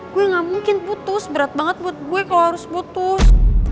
gue gak mungkin putus berat banget buat gue kalau harus putus